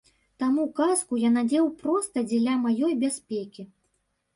Таму каску я надзеў проста дзеля маёй бяспекі.